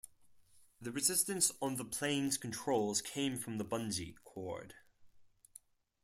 The resistance on the plane's controls came from the bungee cord.